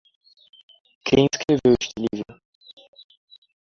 Quem escreveu este livro?